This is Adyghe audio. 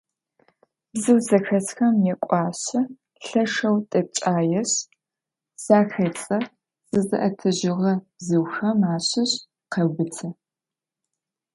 Бзыу зэхэсхэм якӏуашъэ, лъэшэу дэпкӏаешъ, захедзэ, зызыӏэтыжьыгъэ бзыухэм ащыщ къеубыты.